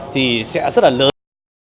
thì sẽ rất là lớn